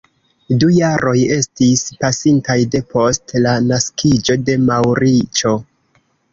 Du jaroj estis pasintaj depost la naskiĝo de Maŭrico.